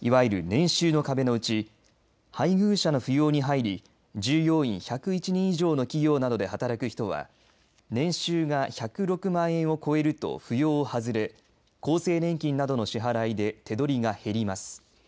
いわゆる年収の壁のうち配偶者の扶養に入り従業員１０１人以上の企業などで働く人は年収が１０６万円を超えると扶養を外れ厚生年金などの支払いで手取りが減ります。